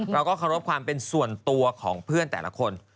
เราก็เคารพความเป็นส่วนตัวของเพื่อนแต่ละคน